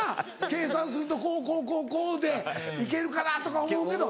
計算するとこうこうこうでいけるかなとか思うけど。